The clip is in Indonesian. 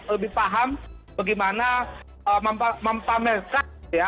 lebih paham bagaimana mempamerkan ya